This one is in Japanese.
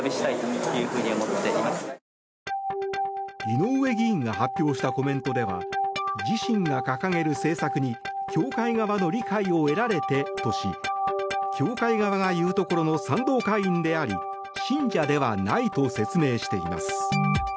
井上議員が発表したコメントでは自身が掲げる政策に教会側の理解を得られてとし教会側が言うところの賛同会員であり信者ではないと説明しています。